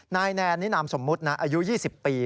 แนนนี่นามสมมุตินะอายุ๒๐ปี